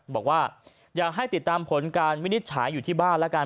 บอกว่าอยากให้ติดตามผลการวินิจฉัยอยู่ที่บ้านแล้วกัน